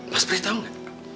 mas frey tau gak